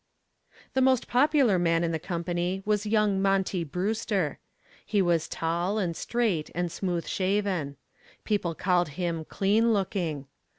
The most popular man in the company was young "Monty" Brewster. He was tall and straight and smooth shaven. People called him "clean looking."